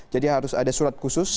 jadi harus ada surat khusus